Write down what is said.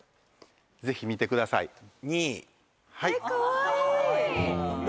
ぜひ見てください